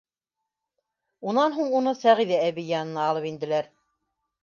Унан һуң уны Сәғиҙә әбей янына алып инделәр.